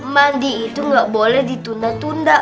mandi itu nggak boleh ditunda tunda